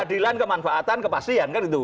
keadilan kemanfaatan kepastian kan gitu